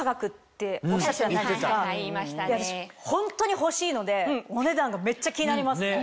私ホントに欲しいのでお値段がめっちゃ気になりますね。